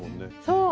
そう！